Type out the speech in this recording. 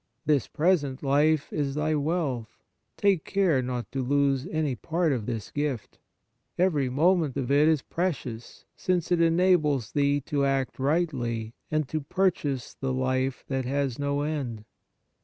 This present life is thy wealth ; take care not to lose any part of this gift. Every moment of it is precious, since it enables thee to act rightly and to purchase the life that has no end.